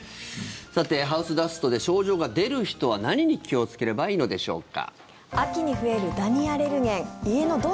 さて、ハウスダストで症状が出る人は何に気をつければいいのでしょうか。